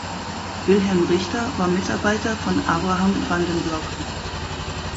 Wilhelm Richter war Mitarbeiter von Abraham van den Blocke.